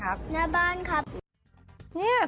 หน้าบ้านครับ